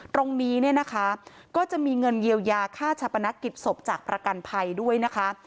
ตรงนี้เนี่ยนะคะก็จะมีเงินเยียวยาค่าชาปนักกิจศพจากประกันภัยด้วยนะคะ